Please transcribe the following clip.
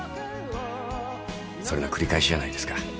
それの繰り返しじゃないですか。